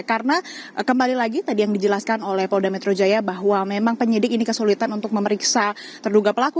karena kembali lagi tadi yang dijelaskan oleh polda metro jaya bahwa memang penyidik ini kesulitan untuk memeriksa terduga pelaku